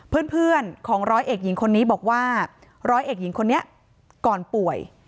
เพื่อนของร้อยเอกหญิงคนนี้บอกว่าร้อยเอกหญิงคนนี้ก่อนป่วย